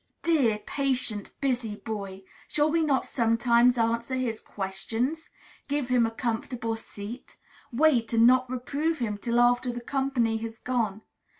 Dear, patient, busy Boy! Shall we not sometimes answer his questions? Give him a comfortable seat? Wait and not reprove him till after the company has gone?